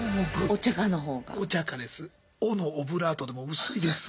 「お」のオブラートでも薄いです。